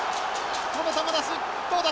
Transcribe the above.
この球出しどうだ！